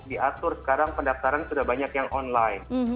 diatur sekarang pendaftaran sudah banyak yang online